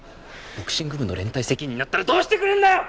ボクシング部の連帯責任になったらどうしてくれるんだよ！